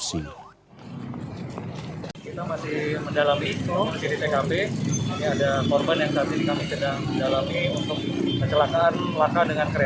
kepolisian resort jakarta timur jaya irjen paul karyoto juga sempat mendatangi lokasi kejadian perkara